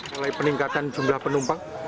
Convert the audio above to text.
mulai peningkatan jumlah penumpang